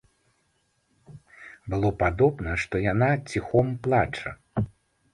Было падобна, што яна ціхом плача.